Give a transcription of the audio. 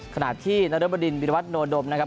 ขณะที่นรบดินวิรวัตโนดมนะครับ